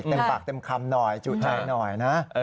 เต็มปากเต็มคำหน่อยจุใจหน่อยนะ